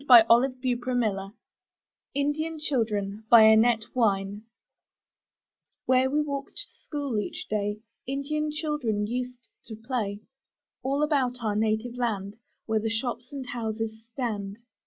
1 20 UP ONE PAIR OF STAIRS ;^^ INDIAN CHILDREN* By Annette Wynne Where we walk to school each day, Indian children used to play — All about our native land, Where the shops and houses stand.